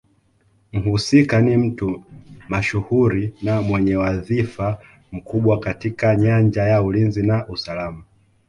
Mhusika ni mtu mashuhuri na mwenye wadhifa mkubwa katika nyanja ya ulinzi na usalama